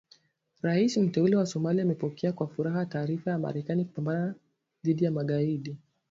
Rais Mteule wa Somalia amepokea kwa furaha taarifa ya Marekani kupambana dhidi ya magaidi